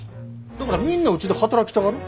だからみんなうちで働きたがる。